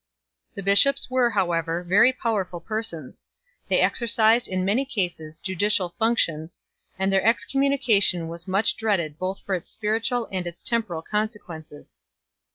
The bishops were however very powerful persons ; they exercised in many cases judicial functions, and their excommunication was much dreaded both for its spiritual and its temporal consequences.